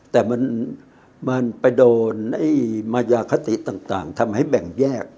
แต่มันไปโดนมายาคติต่างทำให้แบ่งแยก